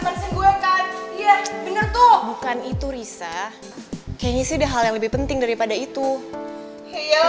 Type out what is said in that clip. kesehatan iya bener tuh bukan itu risa kayaknya sih ada hal yang lebih penting daripada itu ya